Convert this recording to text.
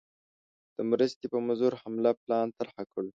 د مرستي په منظور حمله پلان طرح کړ.